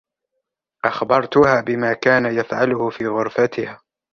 أخبرتها بما كان يفعله في غرفتها.